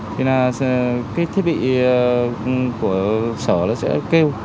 thì thiết bị của sở sẽ kêu